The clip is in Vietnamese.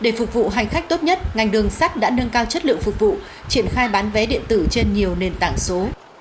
để phục vụ hành khách tốt nhất ngành đường sắt đã nâng cao chất lượng phục vụ triển khai bán vé điện tử trên nhiều nền tảng số